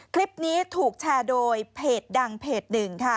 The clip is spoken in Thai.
คลิปนี้ถูกแชร์โดยเพจดังเพจหนึ่งค่ะ